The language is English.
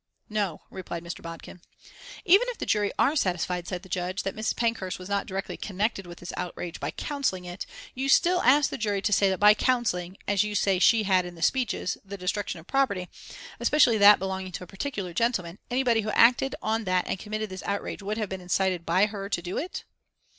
"No," replied Mr. Bodkin. "Even if the jury are satisfied," said the Judge, "that Mrs. Pankhurst was not directly connected with this outrage by counselling it, you still ask the jury to say that by counselling, as you say she had in the speeches, the destruction of property, especially that belonging to a particular gentleman, anybody who acted on that and committed this outrage would have been incited by her to do it?"